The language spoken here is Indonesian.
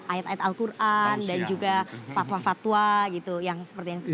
ayat ayat al quran dan juga fatwa fatwa gitu yang seperti yang sebelumnya